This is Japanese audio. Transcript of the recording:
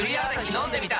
飲んでみた！